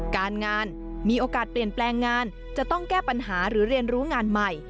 การงานมีโอกาสเปลี่ยนแปลงงานจะต้องแก้ปัญหาหรือเรียนรู้งานใหม่